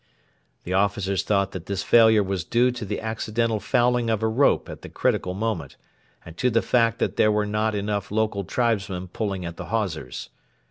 The officers thought that this failure was due to the accidental fouling of a rope at a critical moment, and to the fact that there were not enough local tribesmen pulling at the hawsers.